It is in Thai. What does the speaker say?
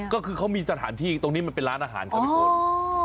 ก็คือเขามีสถานที่ตรงนี้มันเป็นร้านอาหารครับพี่ฝน